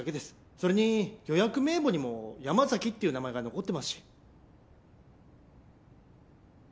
それに予約名簿にも山崎っていう名前が残ってますし